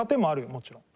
もちろん。